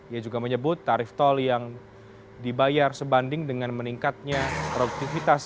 ia juga menyebut tarif tol yang dibayar sebanding dengan meningkatnya produktivitas